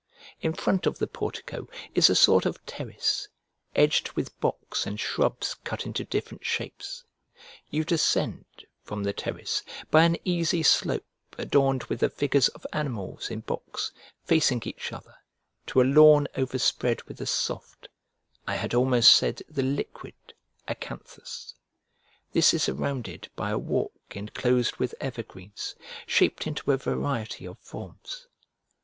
In front of the portico is a sort of terrace, edged with box and shrubs cut into different shapes. You descend, from the terrace, by an easy slope adorned with the figures of animals in box, facing each other, to a lawn overspread with the soft, I had almost said the liquid, Acanthus: this is surrounded by a walk enclosed with evergreens, shaped into a variety of forms.